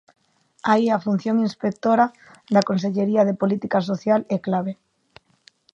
Aí a función inspectora da Consellería de Política Social é clave.